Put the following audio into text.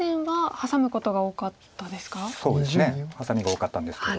ハサミが多かったんですけど。